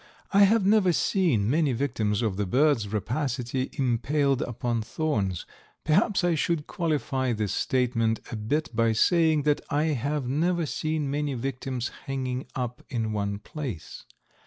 I have never seen many victims of the bird's rapacity impaled upon thorns. Perhaps I should qualify this statement a bit by saying that I have never seen many victims hanging up in one place.